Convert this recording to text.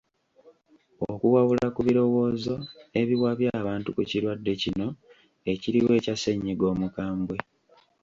Okuwabula ku birowoozo ebiwabya abantu ku kirwadde kino ekiriwo ekya ssennyiga omukambwe.